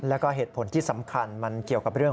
แล้วก็เหตุผลที่สำคัญมันเกี่ยวกับเรื่อง